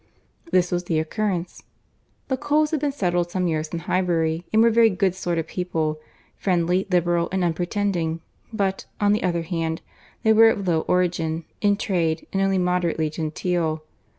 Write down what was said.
This was the occurrence:—The Coles had been settled some years in Highbury, and were very good sort of people—friendly, liberal, and unpretending; but, on the other hand, they were of low origin, in trade, and only moderately genteel.